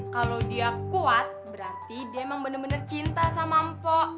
kalau dia kuat berarti dia emang bener bener cinta sama mpok